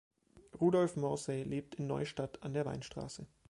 Rudolf Morsey lebt in Neustadt an der Weinstraße.